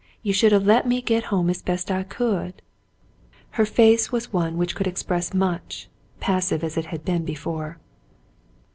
You should have let me get home as best I could." Her face was one which could express much, passive as it had been before.